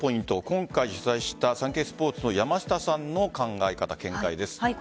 今回取材したサンケイスポーツの山下さんの考え方見解です。